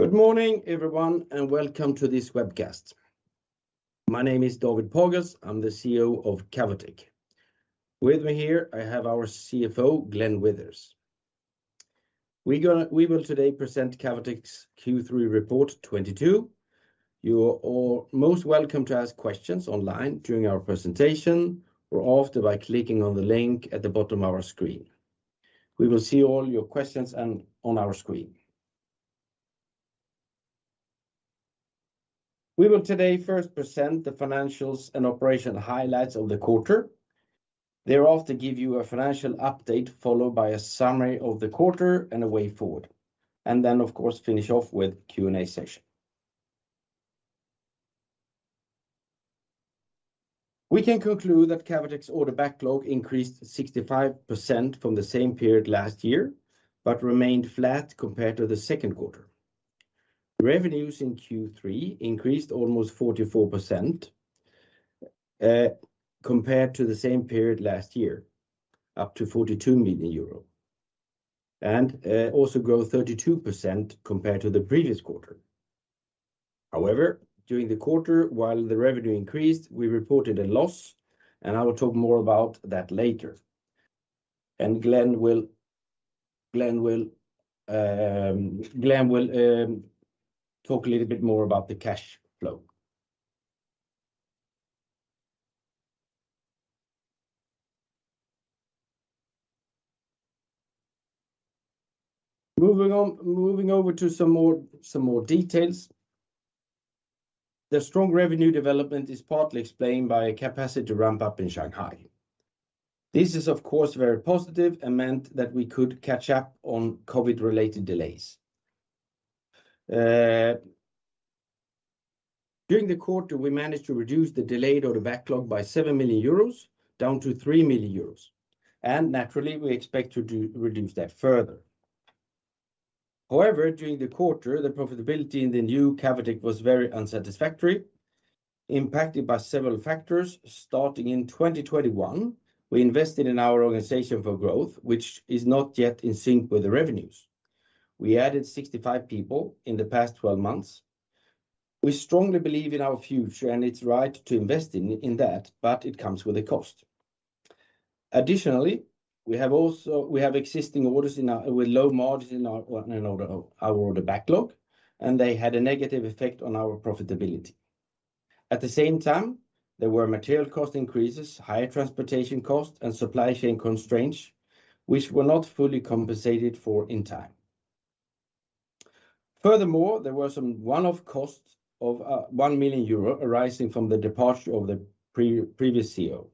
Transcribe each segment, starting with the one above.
Good morning, everyone and welcome to this webcast. My name is David Pagels. I'm the CEO of Cavotec. With me here I have our CFO, Glenn Withers. We will today present Cavotec's Q3 report 2022. You are all most welcome to ask questions online during our presentation or after by clicking on the link at the bottom of our screen. We will see all your questions on our screen. We will today first present the financials and operational highlights of the quarter, thereafter give you a financial update, followed by a summary of the quarter and a way forward and then of course, finish off with Q&A session. We can conclude that Cavotec's order backlog increased 65% from the same period last year but remained flat compared to the second quarter. Revenues in Q3 increased almost 44% compared to the same period last year, up to 42 million euro and also grew 32% compared to the previous quarter. However, during the quarter, while the revenue increased, we reported a loss and I will talk more about that later. Glenn will talk a little bit more about the cash flow. Moving over to some more, some more details. The strong revenue development is partly explained by a capacity ramp-up in Shanghai. This is, of course, very positive and meant that we could catch up on COVID-related delays. During the quarter, we managed to reduce the delayed order backlog by 7 million euros, down to 3 million euros, naturally, we expect to reduce that further. During the quarter, the profitability in the New Cavotec was very unsatisfactory, impacted by several factors. Starting in 2021, we invested in our organization for growth, which is not yet in sync with the revenues. We added 65 people in the past 12 months. We strongly believe in our future and it's right to invest in that, but it comes with a cost. We have existing orders with low margins in our order backlog and they had a negative effect on our profitability. There were material cost increases, higher transportation costs and supply chain constraints which were not fully compensated for in time. There were some one-off costs of 1 million euro arising from the departure of the pre-previous CEO.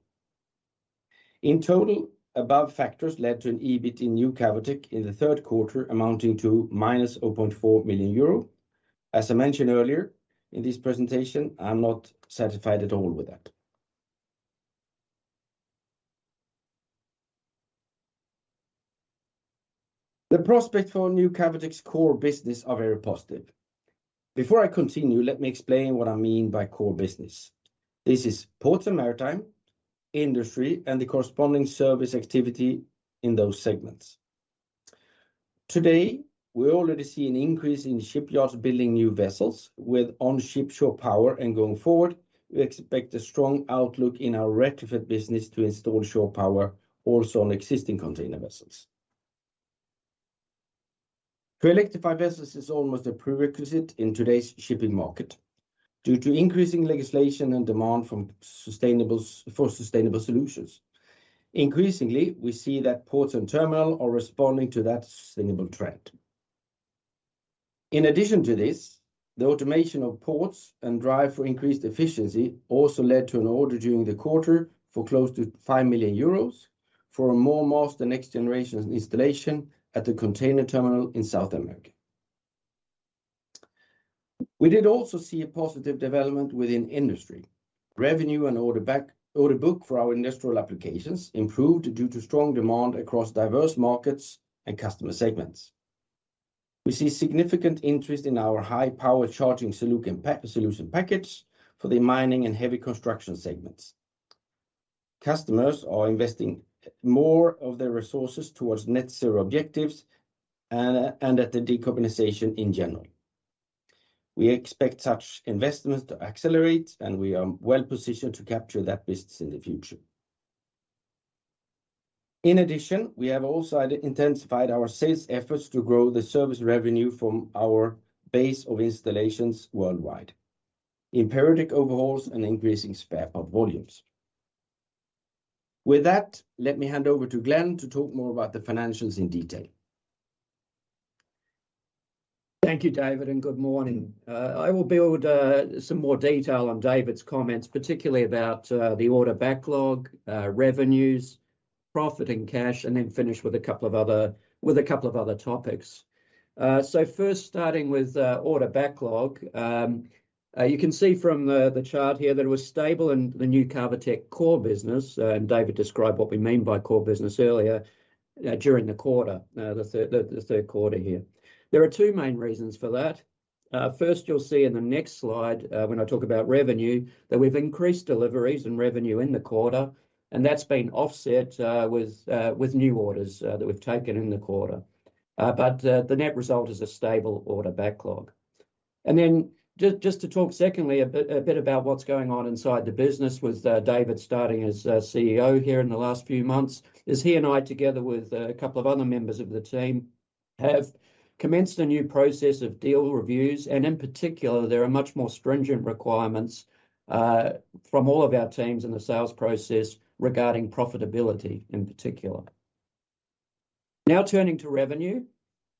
In total, above factors led to an EBIT in New Cavotec in the third quarter amounting to minus 0.4 million euro. As I mentioned earlier in this presentation, I'm not satisfied at all with that. The prospects for New Cavotec's core business are very positive. Before I continue, let me explain what I mean by core business. This is Ports & Maritime, industry and the corresponding service activity in those segments. Today, we already see an increase in shipyards building new vessels with on-ship shore power and going forward, we expect a strong outlook in our retrofit business to install shore power also on existing container vessels. To electrify vessels is almost a prerequisite in today's shipping market due to increasing legislation and demand for sustainable solutions. Increasingly, we see that ports and terminal are responding to that sustainable trend. In addition to this, the automation of ports and drive for increased efficiency also led to an order during the quarter for close to 5 million euros for a MoorMaster next generation installation at the container terminal in South America. We did also see a positive development within industry. Revenue and order book for our industrial applications improved due to strong demand across diverse markets and customer segments. We see significant interest in our high-power charging solution package for the mining and heavy construction segments. Customers are investing more of their resources towards net zero objectives and at the decarbonization in general. We expect such investments to accelerate, we are well positioned to capture that business in the future. We have also intensified our sales efforts to grow the service revenue from our base of installations worldwide, in periodic overhauls and increasing spare part volumes. With that, let me hand over to Glenn to talk more about the financials in detail. Thank you David and good morning. I will build some more detail on David's comments, particularly about the order backlog, revenues, profit and cash and then finish with a couple of other topics. First starting with order backlog. You can see from the chart here that it was stable in the New Cavotec core business and David described what we mean by core business earlier during the third quarter here. There are two main reasons for that. First, you'll see in the next slide, when I talk about revenue, that we've increased deliveries and revenue in the quarter and that's been offset with new orders that we've taken in the quarter. The net result is a stable order backlog. Just to talk secondly a bit about what's going on inside the business with David starting as CEO here in the last few months, he and I together with a couple of other members of the team have commenced a new process of deal reviews. In particular, there are much more stringent requirements from all of our teams in the sales process regarding profitability in particular. Now turning to revenue.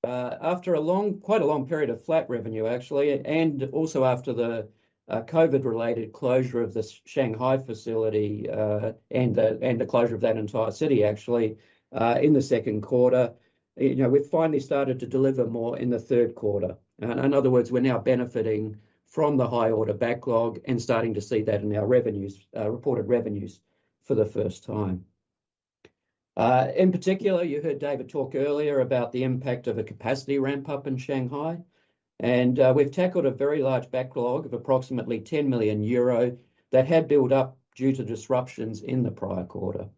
After a long, quite a long period of flat revenue actually and also after the COVID-related closure of the Shanghai facility and the closure of that entire city actually, in the second quarter, you know, we've finally started to deliver more in the third quarter. In other words, we're now benefiting from the high order backlog and starting to see that in our revenues, reported revenues for the first time. In particular, you heard David talk earlier about the impact of a capacity ramp-up in Shanghai. We've tackled a very large backlog of approximately 10 million euro that had built up due to disruptions in the prior quarter.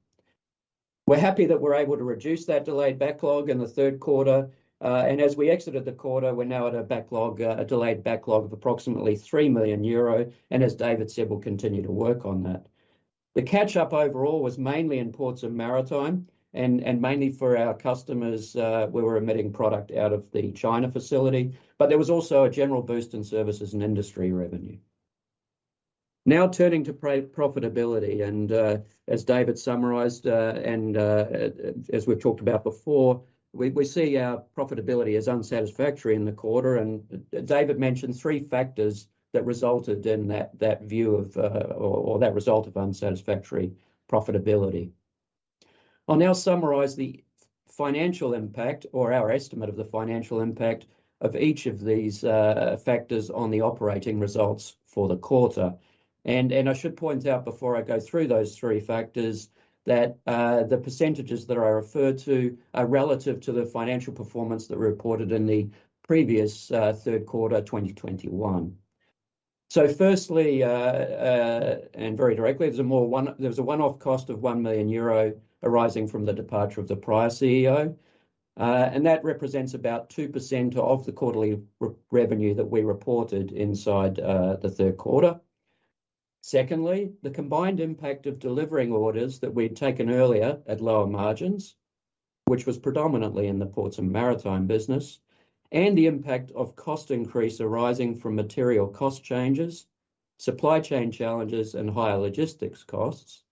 We're happy that we're able to reduce that delayed backlog in the third quarter. As we exited the quarter, we're now at a backlog, a delayed backlog of approximately 3 million euro and as David said, we'll continue to work on that. The catch up overall was mainly in Ports & Maritime and mainly for our customers, we were emitting product out of the China facility, but there was also a general boost in services and industry revenue. Now turning to profitability, and as David summarized, as we've talked about before, we see our profitability as unsatisfactory in the quarter and David mentioned three factors that resulted in that view of or that result of unsatisfactory profitability. I'll now summarize the financial impact or our estimate of the financial impact of each of these factors on the operating results for the quarter. I should point out before I go through those three factors that the percentages that I refer to are relative to the financial performance that we reported in the previous third quarter 2021. Firstly and very directly, there's a more one. There was a one-off cost of 1 million euro arising from the departure of the prior CEO. That represents about 2% of the quarterly revenue that we reported inside the third quarter. Secondly, the combined impact of delivering orders that we'd taken earlier at lower margins, which was predominantly in the Ports & Maritime business and the impact of cost increase arising from material cost changes, supply chain challenges and higher logistics costs.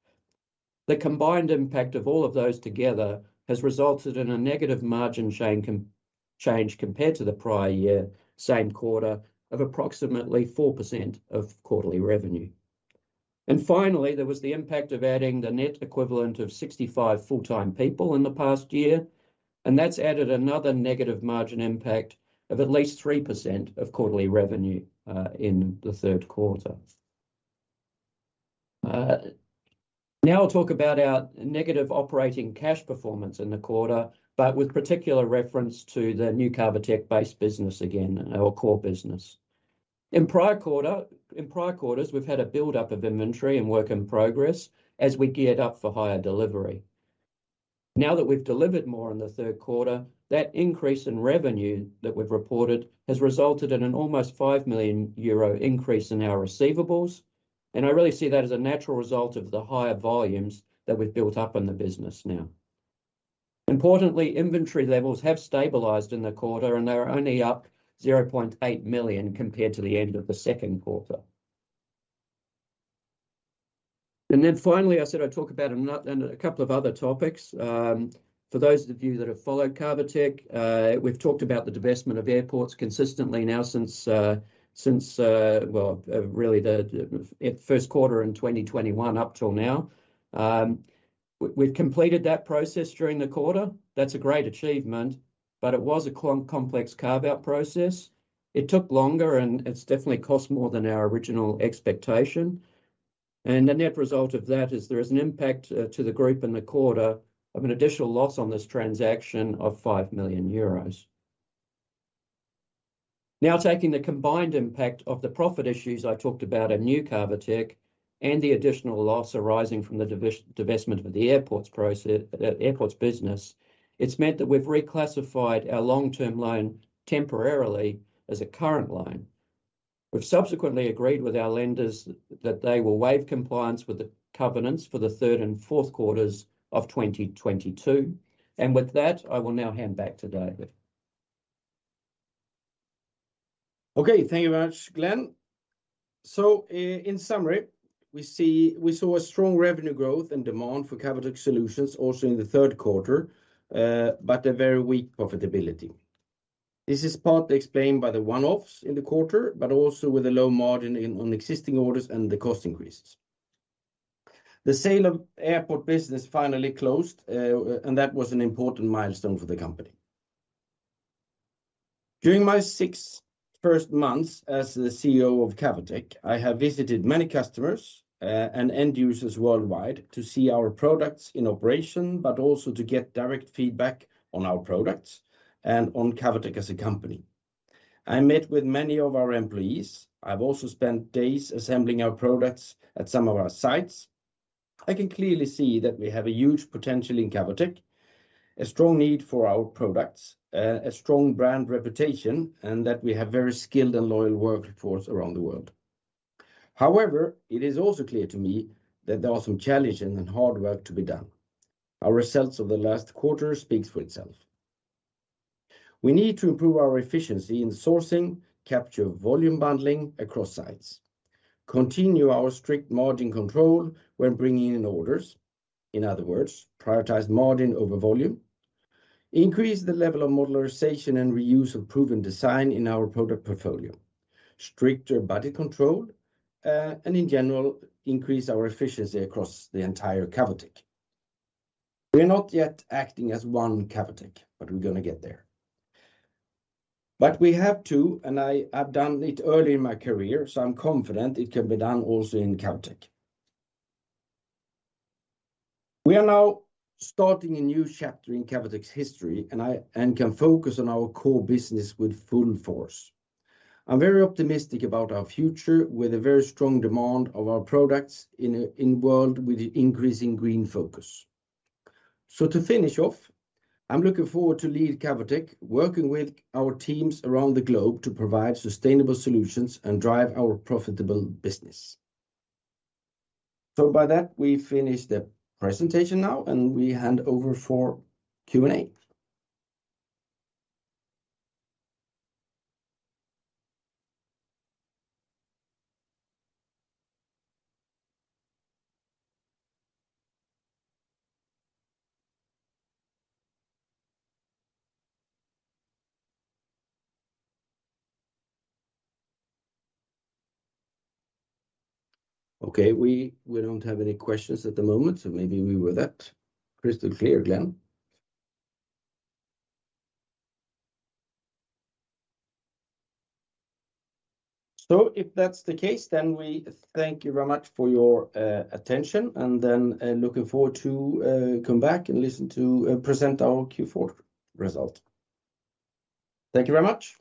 The combined impact of all of those together has resulted in a negative margin chain change compared to the prior year, same quarter, of approximately 4% of quarterly revenue. Finally, there was the impact of adding the net equivalent of 65 full-time people in the past year and that's added another negative margin impact of at least 3% of quarterly revenue in the third quarter. Now I'll talk about our negative operating cash performance in the quarter, but with particular reference to the New Cavotec base business again, our core business. In prior quarters, we've had a buildup of inventory and work in progress as we geared up for higher delivery. Now that we've delivered more in the third quarter, that increase in revenue that we've reported has resulted in an almost €5 million increase in our receivables and I really see that as a natural result of the higher volumes that we've built up in the business now. Importantly, inventory levels have stabilized in the quarter and they are only up 0.8 million compared to the end of the second quarter. Finally, I said I'd talk about a couple of other topics. For those of you that have followed Cavotec, we've talked about the divestment of airports consistently now since, well, really the first quarter in 2021 up till now. We've completed that process during the quarter. That's a great achievement, but it was a complex carve-out process. It took longer, it's definitely cost more than our original expectation. The net result of that is there is an impact to the group in the quarter of an additional loss on this transaction of 5 million euros. Now, taking the combined impact of the profit issues I talked about at New Cavotec and the additional loss arising from the divestment of the airports business, it's meant that we've reclassified our long-term loan temporarily as a current loan. We've subsequently agreed with our lenders that they will waive compliance with the covenants for the third and fourth quarters of 2022. With that, I will now hand back to David. Okay, thank you very much, Glenn. In summary, we saw a strong revenue growth and demand for Cavotec solutions also in the third quarter, but a very weak profitability. This is partly explained by the one-offs in the quarter, but also with a low margin on existing orders and the cost increases. The sale of airport business finally closed and that was an important milestone for the company. During my six first months as the CEO of Cavotec, I have visited many customers and end users worldwide to see our products in operation, but also to get direct feedback on our products and on Cavotec as a company. I met with many of our employees. I've also spent days assembling our products at some of our sites. I can clearly see that we have a huge potential in Cavotec, a strong need for our products, a strong brand reputation and that we have very skilled and loyal workforce around the world. However, it is also clear to me that there are some challenges and hard work to be done. Our results of the last quarter speaks for itself. We need to improve our efficiency in sourcing, capture volume bundling across sites, continue our strict margin control when bringing in orders. In other words, prioritize margin over volume, increase the level of modularization and reuse of proven design in our product portfolio, stricter budget control and in general, increase our efficiency across the entire Cavotec. We're not yet acting as one Cavotec, but we're gonna get there. We have to, and I have done it early in my career, so I'm confident it can be done also in Cavotec. We are now starting a new chapter in Cavotec's history and can focus on our core business with full force. I'm very optimistic about our future with a very strong demand of our products in a world with increasing green focus. To finish off, I'm looking forward to lead Cavotec, working with our teams around the globe to provide sustainable solutions and drive our profitable business. By that, we finish the presentation now and we hand over for Q&A. Okay, we don't have any questions at the moment, so maybe we were that crystal clear, Glenn. If that's the case, we thank you very much for your attention, looking forward to come back and listen to present our Q4 result. Thank you very much.